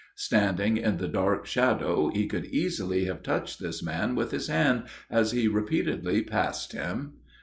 Standing in the dark shadow, he could easily have touched this man with his hand as he repeatedly passed him.